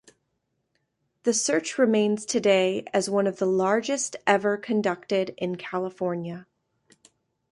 The search remains today as one of the largest ever conducted in California.